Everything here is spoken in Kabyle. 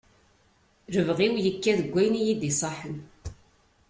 Lebɣi-w yekka deg wayen iyi-d-iṣaḥen.